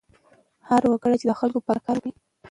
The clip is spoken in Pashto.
هر وګړی چې د خلکو په ګټه کار وکړي.